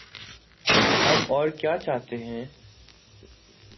ہم اور کیا چاہتے ہیں۔